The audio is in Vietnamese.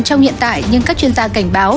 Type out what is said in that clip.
trong hiện tại nhưng các chuyên gia cảnh báo